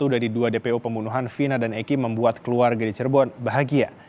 satu dari dua dpo pembunuhan vina dan eki membuat keluarga di cirebon bahagia